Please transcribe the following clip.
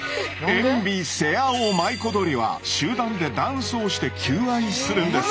エンビセアオマイコドリは集団でダンスをして求愛するんです。